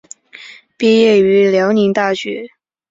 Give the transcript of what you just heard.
毕业于辽宁大学。